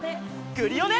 クリオネ！